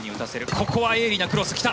ここは鋭利なクロスが来た。